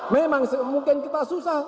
memang mungkin kita susah